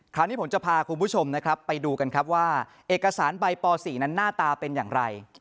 คราวนี้ผมจะพาคุณผู้ชมนะครับไปดูกันครับว่าเอกสารใบป๔นั้นหน้าตาเป็นอย่างไร